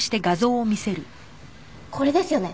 これですよね？